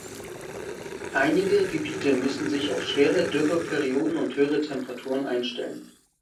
Einige Gebiete müssen sich auf schwere Dürreperioden und höhere Temperaturen einstellen.